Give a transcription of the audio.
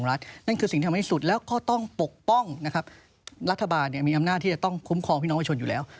รัฐบาลจะมีอำนาจที่จะต้องคุ้มควองพี่น้องว่าชนอยู่แล้ว